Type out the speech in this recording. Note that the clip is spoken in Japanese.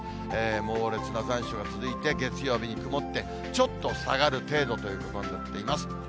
猛烈な残暑が続いて、月曜日に曇ってちょっと下がる程度ということになっています。